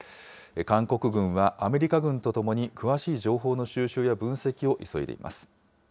韓国軍はアメリカ軍とともに、詳しい情報の収集や分析を急いでいます。